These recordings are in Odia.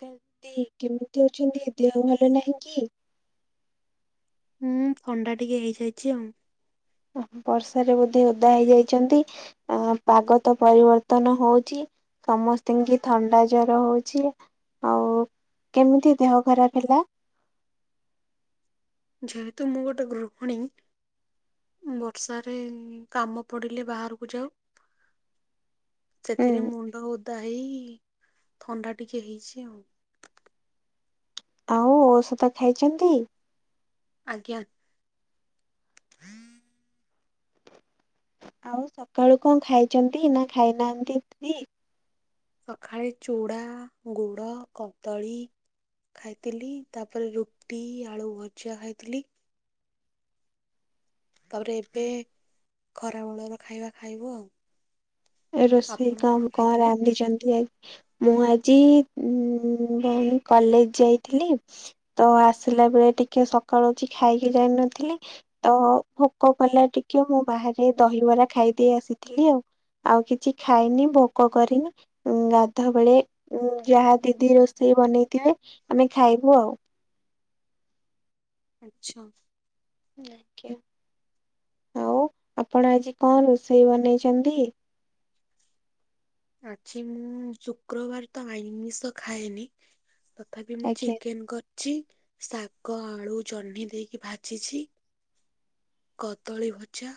[unintelligible] କେମିତି ଅଛନ୍ତି ଦେହ ଭଲ ନାହିଁ କି। ହୁଁ ଥଣ୍ଡା ଟିକେ ହେଇଯାଇଛି ଆଉ। ଓ ହୋ ବର୍ଷାରେ ବୋଧେ ଓଦା ହେଇଯାଇଛନ୍ତି ଆ ପାଗ ତ ପରିବର୍ତ୍ତନ ହଉଛି। ସମସ୍ତ କି ଥଣ୍ଡା ଜର ହଉଛି ଆଉ। କେମିତି ଦେହ ଖରାପ ହେଲା। ଯେହେତୁ ମୁଁ ଗୋଟେ ଗୃହଣୀ। ବର୍ଷାରେ କାମ ପଡିଲେ ବାହାରକୁ ଯାଉ। ଉଁ ସେଥିରେ ମୁଣ୍ଡ ଓଦା ହେଇ। ଥଣ୍ଡା ଟିକେ ହେଇଛି ଆଉ। ଆଉ ଔଷଧ ଖାଇଛନ୍ତି। ଆଜ୍ଞା। ହୁଁ ଆଉ ସକାଳୁ କଣ ଖାଇଛନ୍ତି ନା ଖାଇନାହାନ୍ତି ଦିଦି। ସକାଳେ ଚୁଡ଼ା ଗୁଡ଼ କଦଳୀ। ଖାଇଥିଲି ତାପରେ ରୁଟି ଆଳୁ ଭଜା ଖାଇଥିଲି। ତାପରେ ଏବେ ଖରା ମୂଳର ଖାଇବା ଖାଇବୁ ଆଉ। ଏ ରୋଷେଇ ଆପଣ କାମ କଣ ଖାଇଥିଲେ? ରାନ୍ଧିଛନ୍ତି ଆଜି? ମୁଁ ଆଜି ଉ ଭଉଣୀ କଲେଜ ଯାଇଥିଲି ତ ଆସିଲ ଲା ବେଳେ ଟିକେ ସକାଳୁ ଖାଇକି ଯାଇ ନଥିଲି ତ ଭୋକ କଲା ଟିକେ ମୁଁ ବାହାରେ ଏ ଦହିବରା ଖାଇଦେଇ ଆସିଥିଲି ଆଉ। ଆଉ କିଛି ଖାଇନି ଭୋକ କରିନି ଉ ଗାଧ ବେଳେ ଯାହା ଦିଦି ରୋଷେଇ ବନେଇଥିବେ ଆମେ ଖାଇବୁ ଆଉ। ଆଛା। ଦେଖିଆ। ଆଉ ଆପଣ ଆଜି କଣ ରୋଷେଇ ବନେଇଛନ୍ତି? ଆଛି ମୁଁ ଶୁକ୍ରବାର ତ ଆଇଷ ଖାଏନି। ତଥାପି ମୁଁ ଆଜ୍ଞା ଚିକେନ କରି ଛି ଶାଗ ଆଳୁ ଚହ୍ନି ଦେଇକି ଭାଜିଛି। କଦଳୀ ଭଜା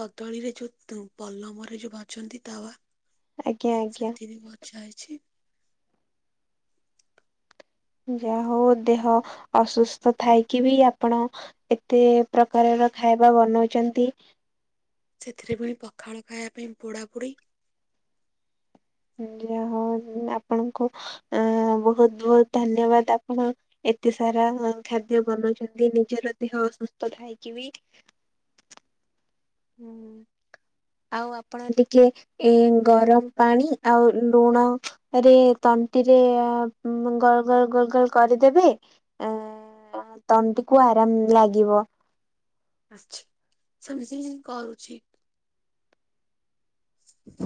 କଦଳୀରେ ଯୋଉ ପଲମରେ ଯୋଉ ବାଚନ୍ତି ତାୱ। ଆଜ୍ଞା ଆଜ୍ଞା। ଯାଇଛି ଯାହା ହଉ ଦେହ ଅସୁସ୍ଥ ଥାଇକି ବି ଆପଣ ଏତେ ପ୍ରକାର ଖାଇବା ବନାଉଛନ୍ତି? ସେଥିରେ ପୁଣି ପଖାଳ ଖାଇବା ପାଇଁ ପୋଡ଼ାପୋଡ଼ି। ଯା ହଉ ଆପଣଙ୍କୁ ଅ ବହୁତ ବହୁତ ଧନ୍ୟବାଦ ଆପଣ ଏତେ ସାରା ଖାଦ୍ୟ ବନଉଛନ୍ତି ନିଜର ଦେହ ଅସୁସ୍ଥ ଥାଇକି ବି। ହୁଁ। ଆଉ ଆପଣ ଟିକେ ଏ ଗରମ ପାଣି ଆଉ ଲୁଣ ରେ ତଣ୍ଟିରେ ଗୋଳ ଗୋଳ ଗୋଲ କରିଦେବେ ଆ ତଣ୍ଟିକୁ ଆରାମ ଲାଗିବ। ଆଛା ସମଝ କ ଉଚିତ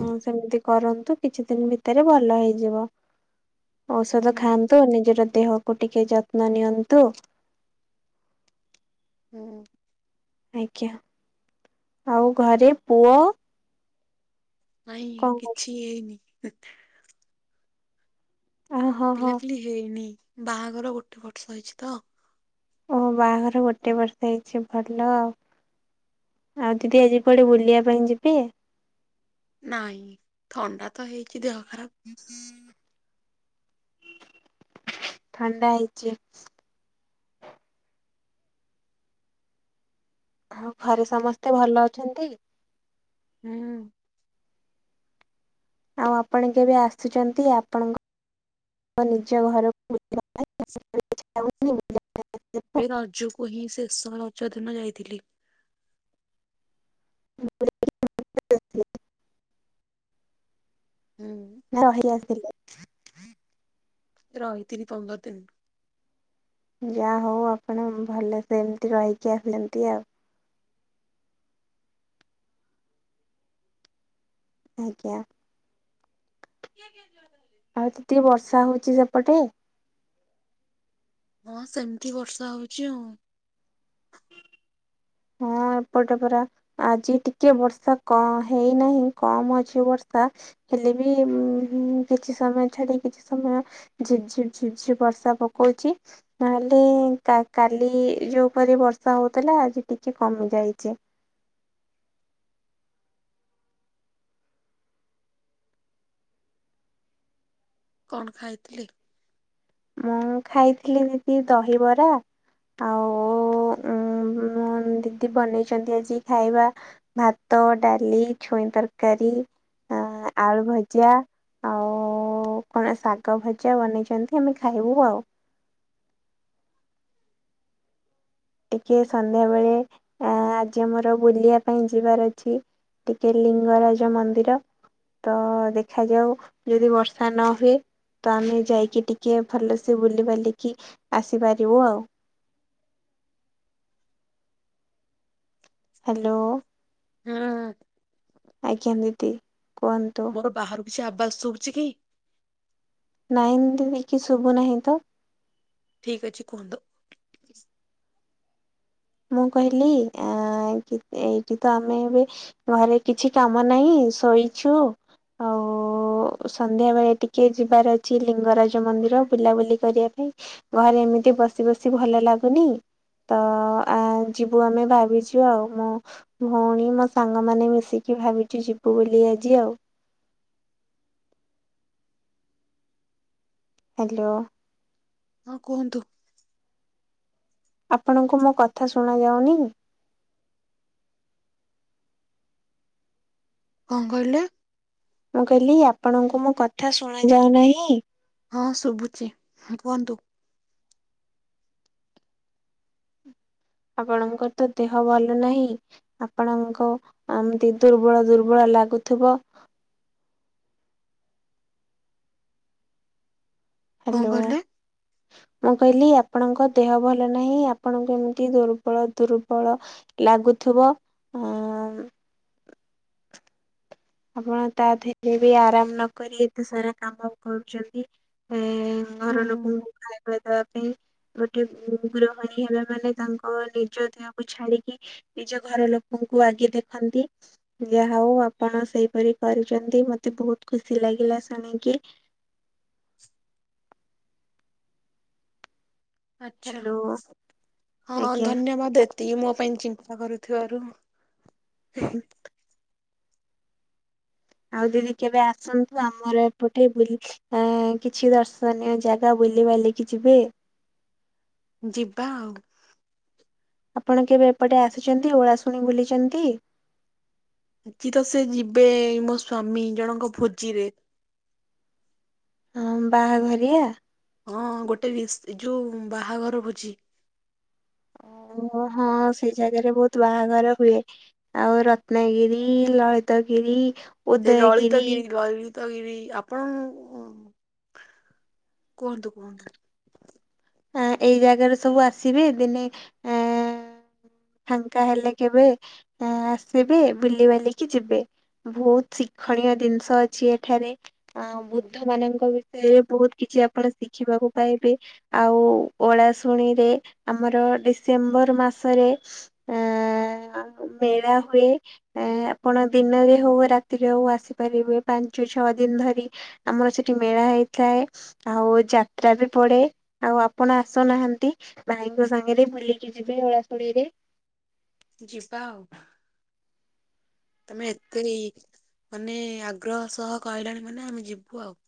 ହଁ ସେମିତି କରନ୍ତୁ କିଛି ଦିନ ଭିତରେ ଭଲ ହେଇଯିବ। ଔଷଧ ହୁଁ ଖାଆନ୍ତୁ ନିଜର ଦେହକୁ ଟିକେ ଯତ୍ନ ନିଅନ୍ତୁ। ହୁଁ। ଆଜ୍ଞା ଆଉ ଘରେ ପୁଅ? ନାଇଁ କଣ କିଛି ହେଇନି। ଆ ହଁ ହଁ ପିଲାପିଲି ହେଇନି ବାହାଘର ଗୋଟେ ବର୍ଷ ହେଇଛି ତ। ଓ ବାହାଘର ଗୋଟେ ବର୍ଷ ହେଇଛି ଭଲ ଆଉ। ଆଉ ଦିଦି ଆଜି କୁଆଡେ ବୁଲିବା ପାଇଁ ଯିବେ? ନାଇଁ ଥଣ୍ଡା ତ ହେଇଛିି ଦେହ ଖରାପ [unintelligible] ଥଣ୍ଡା ହେଇଛି? ଆଉ ଘରେ ସମସ୍ତେ ଭଲ ଅଛନ୍ତି? ହୁଁ। ଆଉ ଆପଣ କେବେ ଆସୁଛନ୍ତି ଆପଣଙ୍କ ନିଜ ଘରକୁ? [unintelligible] ଏବେ ରଜକୁ ହିଁ ଶେଷ ରଜ ଦିନ ଯାଇଥିଲି। [unintelligible] ହୁଁ। ନା ରହି ଆସିଥିଲି। ରହିଥିଲି ପନ୍ଦର ଦିନି। ଯାହା ହଉ ଆପଣ ଭଲ ସେ ଏମିତି ରହିକି ଆସିଛନ୍ତି ଆଉ। ଆଜ୍ଞା। କିଏ କିଏ ଯିବ ତାହେଲେ ଆଉ ତ ଟିକେ ବର୍ଷା ହଉଛି ସେପଟେ। ହଁ ସେମିତି ବର୍ଷା ହଉଛି ଆଉ। ଆ ଏପଟେ ପରା ଆଜି ଟିକେ ବର୍ଷା କ ହେଇନାହିଁ କମ ଅଛି ବର୍ଷା। ହେଲେ ବି ଉଁ କିଛି ସମୟ ଛାଡି କିଛି ସମୟ ଝିପ ଝିପ୍ ଝିପ୍ ଝିପ ବର୍ଷା ପକଉ ଅଛି ନହେଲେ କା-କାଲି ଯୋଉ ପରି ବର୍ଷା ହଉଥିଲା ଆଜି ଟି ଚି କମି ଯାଇଛି। କଣ ଖାଇଥିଲେ? ମୁଁ ଖାଇଥିଲି ଦିଦି ଦହିବରା। ଆଉ ଉଁ ଉଁ ମୋ ଦିଦି ବନେଇଛନ୍ତି ଆଜି ଖାଇବା ଭାତ ତ ଡାଲି ଛୁଇଁ ତରକାରୀ ଆ ଆଳୁ ଭଜା ଆଉ ଓ କଣ ଶାଗ ଭଜା ବନେଇଛନ୍ତି ଆମେ ଖାଇବୁ ଆଉ। ଟିକେ ସନ୍ଧ୍ୟା ବେଳେ ଆ ଆଜି ଆମର ବୁଲିବା ପାଇଁ ଯିବାର ଅଛି। ଟିକେ ଲିଙ୍ଗରାଜ ମନ୍ଦିର। ତ ଦେଖାଯାଉ ଯଦି ବର୍ଷା ନ ହୁଏ। ତ ଆମେ ଯାଇକି ଟିକେ ଭଲସେ ବୁଲିିବାଲିକି ଆସିପାରିବୁ ଆଉ। ହାଲୋ। ହୁଁ ହୁଁ। ଆଜ୍ଞା ଦିଦି କୁହନ୍ତୁ। ମୋର ବାହାରୁ କିଛି ଆୱାଜ ଶୁଭୁଚି କି? ନାଇ ଏମିତି କିଛି ଶୁଭୁ ନାହିଁ ତ। ଠିକ ଅଛି କୁହନ୍ତୁ। ମୁଁ କହିଲି ଏ ନାଇଁ କି ଏଇଠି ତ ଆମେ ଏବେ ଘରେ କିଛି କାମ ନାହିଁ ଶୋଇଛୁ। ଆଉ ସନ୍ଧ୍ୟା ବେଳେ ଟିକେ ଯିବାର ଅଛି ଲିଙ୍ଗରାଜ ମନ୍ଦିର ବୁଲାବୁଲି କରିବା ପା ଇ ଘରେ ଏମିତି ବସି ବସି ଭଲ ଲାଗୁନି ତ ଆ ଯିବୁ ଆମେ ଭାବିଛୁ ଆଉ ମୋ ଭଉଣୀ ମୋ ସାଙ୍ଗମାନେ ମିଶିକି ଭାବିଛୁ ଯିବ ଉ ବୁଲି ଆଜି ଆଉ। ହାଲୋ। ହଁ କୁହନ୍ତୁ। ଆପଣଙ୍କୁ ମୋ କଥା ଶୁଣା ଯାଉନି? କଣ କହିଲେ? ମୁଁ କହିଲି ଆପଣଙ୍କୁ ମୋ କଥା ଶୁଣା ଯାଉ ନାହିଁ? ହଁ ଶୁଭୁଛି କୁହନ୍ତୁ। ଆପଣଙ୍କର ତ ଦେହ ଭଲ ନାହିଁ ଆପଣଙ୍କ ଅ ଏମିତି ଦୁର୍ବଳ ଦୁର୍ବଳ ଲାଗୁଥିବ। କଣ ହାଲୋ କହିଲେ? ମୁଁ କହିଲି ଆ ଆପଣଙ୍କ ଦେହ ଭଲ ନାହିଁ ଆପଣଙ୍କୁ ଏମିତି ଦୁର୍ବଳ ଦୁର୍ବଳ ଲାଗୁଥିବ। ହୁଁ। ଆପଣ ତା ଧେରେ ବି ଆରାମ ନ କରି ଏତେ ସାରା କାମ କରୁଛନ୍ତି ଏ ଏ ହୁଁ ଘର ଲୋକଙ୍କୁ ଖାଇବା ପଇ ଦବା ପାଇଁ। ଗୋଟେ ଉଁ ଗୃହଣୀ ହେଲା ମାନେ ତାଙ୍କ ନିଜ ଦେହକୁ ଛାଡିକି ନିଜ ଘର ଲୋକ ଙ୍କୁ ଆଗେ ଦେଖନ୍ତି ଯାହା ହଉ ଆପଣ ସେହିପରି କରିଛନ୍ତି ମତେ ବହୁତ ଖୁସି ଲାଗିଲା ଶୁଣିକି। ଆଛା ହ୍ୟାଲୋ ହଁ ଆଜ୍ଞା ଧନ୍ୟବାଦେ। ଏତିକି ମୋ ପାଇଁ ଚିନ୍ତା କରୁଥିବାରୁ ହୁଁ। ଆଉ ଦିଦି କେବେ ଆସନ୍ତୁ ଆମର ଏପଟେ ବୁଲି କିଛି ଦର୍ଶନୀୟ ଜାଗା ବୁଲି ବାଲି କିି ଯିବେ। ଯିବା ଆଉ‌। ଆପଣ କେବେ ଏପଟେ ଆସିଚନ୍ତି? ଓଳାଶୁଣି ବୁଲିଚନ୍ତି? ଆଜିି ତ ସେ ଯିବେ ମୋ ସ୍ଵାମୀ ଜଣଙ୍କ ଭୋଜିରେ ହଁ ବାହାଘରିଆ। ହଁ ଗୋଟେ ବିସ୍ ଯୋଉ ବାହାଘର ଭୋଜି। ଆଉ ହଁ ସେ ଜାଗାରେ ବୋହୁତ ବାହାଘର ହୁଏ। ଆଉ ରତ୍ନଗିରି ଲଳିତ ଫେରି [unintelligible] ସେ ଲଳିତଗିରି ଲଳି ତଗିରି ଆପଣ କୁହନ୍ତୁ କୁହନ୍ତୁ। ଆ ଏଇ ଜାଗାରେ ସବୁ ଆସିବେ ଦିନେ ଆ ଫାଙ୍କା ହେଲେ କେବେ ଆସିବେ ବୁଲିି ବାଲିକି ଯିବେ। ବୋହୁତ ଶିକ୍ଷଣୀୟ ଜିନିଷ ଅଛି ଏଠାରେ ଆ ବୁଦ୍ଧ ମାନଙ୍କ ବିଷୟରେ ବୋହୁତ କିଛି କିଛି ଆପଣ ଶିଖିବାକୁ ପାଇବେ ଆଉ ଓଳାଶୁଣିରେ ଆମର ଡିସେମ୍ବର ମାସରେ ଆଁ ମେଳା ହୁଏ ଆପଣ ଦିନରେ ହୋଉ ରାତିରେ ହୋଉ ଆସିପାରିବେ ପାଞ୍ଚ ପାଞ୍ଚ ଛଅ ଦିନ ଧରି ଆମର ସେଠି ମେଳା ହେଇଥାଏ। ଆଉ ଯାତ୍ରା ବି ପଡେ ଆଉ ଆପଣ ଆସୁନାହାନ୍ତି ଭାଇଙ୍କ ସାଙ୍ଗରେ ବୁଲିକି ଯିବେ ଓଳାଶୁଳିରେ। ଯିିବା ଆଉ। ତମେ ଏତେ ଇ ମାନେ ଆଗ୍ରହ ସହ କହିଲଣି ମାନେ ଆମେ ଯିବୁ ଆଉ।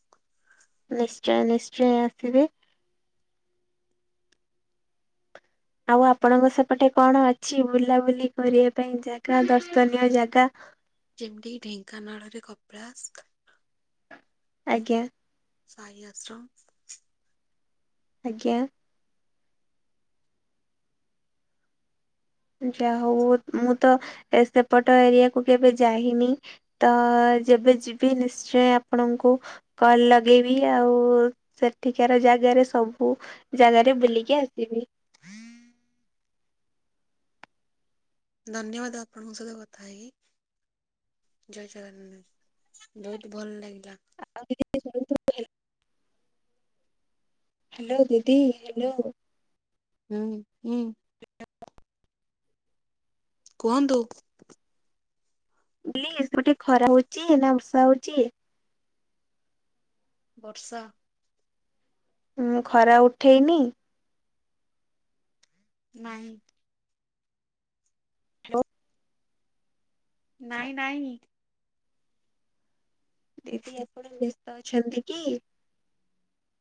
ନିଶ୍ଚୟ ନିଶ୍ଚୟ ଆସିବେ। ଆଉ ଆପଣଙ୍କ ସେପଟେ କଣ ଅଛି ବୁଲାବୁଲି କରିବା ପାଇଁ ଜାଗା ଦର୍ଶନୀୟ ଜାଗା। ଯେମିତିକି ଢେଙ୍କାନାଳରେ କପଳାସ। ଆଜ୍ଞା। ସାଇ ଆଶ୍ରମ। ଆଜ୍ଞା। ଯା ହୋଉ ମୁଁ ତ ଏ ସେପଟ ଏରିଆକୁ କେବେ ଯାହିନି ତ ଯେବେ ଯିବି ନିଶ୍ଚୟ ଆପଣଙ୍କୁ କଲ ଲଗେଇବି ଆଉ ସେଠିକାର ଗାରେ ସବୁ ଜାଗାରେ ବୁଲିକି ଆସିବି। ଧନ୍ୟବାଦ ଆପଣଙ୍କ ସହିତ କଥା ‌ହେଇକି। ଜୟ ଜଗନ୍ନାଥ ବୋହୁତ ଭଲ ଲାଗି [inaudible] ହାଲୋ ଦିଦି ହ୍ୟାଲୋ। ହୁଁ ହୁଁ। କୁହନ୍ତୁ। [unintelligible] ଖରା ହୋଉଚି ନା ବର୍ଷା ହୋଉଚି? ବର୍ଷା। ଖରା ଉଠେଇନି? ନାଇଁ। ହ୍ୟାଲୋ। ନାଇଁ ନାଇଁ। ଦିଦି ଆପଣ ବ୍ୟସ୍ତ ଅଛନ୍ତି କି?